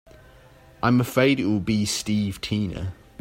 I'm afraid it'll be Steve Tina.